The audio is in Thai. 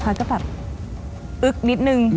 พลอยก็แบบอึ๊กนิดนึง